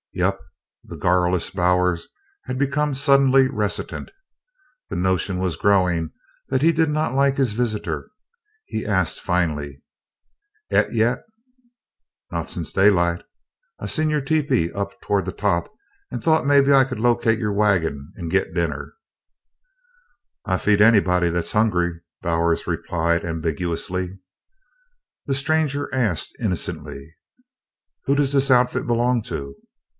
"Yep." The garrulous Bowers had become suddenly reticent. The notion was growing that he did not like his visitor. He asked finally: "Et yet?" "Not sence daylight. I seen your tepee up toward the top and thought maybe I could locate your wagon and git dinner." "I'll feed anybody that's hungry," Bowers replied ambiguously. The stranger asked innocently: "Who does this Outfit belong to?"